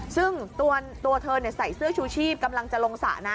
ซึ่งตัวเธอใส่เสื้อชูชีพกำลังจะลงสระนะ